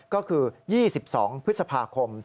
ก็คือ๒๒พฤษภาคม